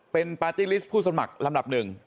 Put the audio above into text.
เป็นปาร์ตี้ลิสต์ผู้สมัครลำดับหนึ่ง